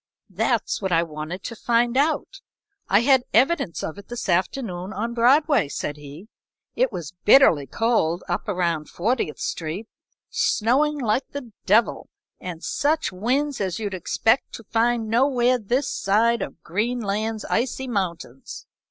"That's what I wanted to find out. I had evidence of it this afternoon on Broadway," said he. "It was bitterly cold up around Fortieth Street, snowing like the devil, and such winds as you'd expect to find nowhere this side of Greenland's icy mountains.